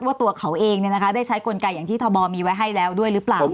ว่าตัวเขาเองได้ใช้กลไกอย่างที่ทบมีไว้ให้แล้วด้วยหรือเปล่า